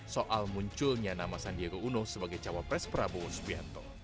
soal munculnya nama sandiaga uno sebagai cawapres prabowo subianto